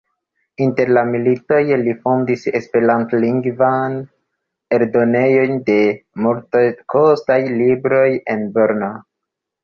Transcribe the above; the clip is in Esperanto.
Inter la militoj li fondis esperantlingvan eldonejon de malmultekostaj libroj en Brno.